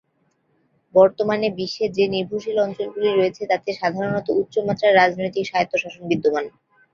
বর্তমানে বিশ্বে যে নির্ভরশীল অঞ্চলগুলি রয়েছে তাতে সাধারণত উচ্চ মাত্রার রাজনৈতিক স্বায়ত্তশাসন বিদ্যমান।